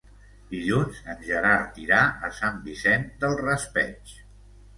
Dilluns en Gerard irà a Sant Vicent del Raspeig.